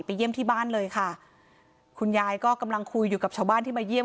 เยี่ยมที่บ้านเลยค่ะคุณยายก็กำลังคุยอยู่กับชาวบ้านที่มาเยี่ยม